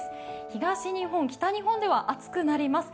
東日本、北日本では暑くなります。